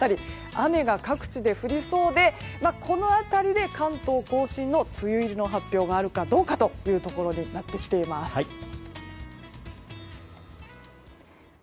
雨が各地で降りそうでこの辺りで関東・甲信の梅雨入りの発表があるかどうかとなってきています。